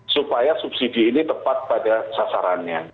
supaya subsidi ini tepat pada sasarannya